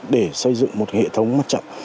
để xây dựng một hệ thống mặt trận